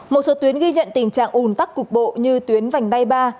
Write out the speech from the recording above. một số tuyến ghi nhận tình trạng ùn tắc cục bộ như tuyến vành đai ba